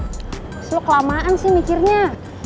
terus lo kelamaan sih mikirnya